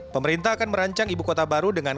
pemerintah akan merancang ibu kota baru dengan